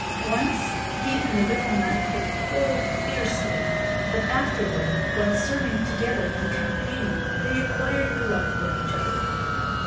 Once he and the little knight had quarrelled fiercely, but afterward while serving together and campaigning they acquired a love for each other.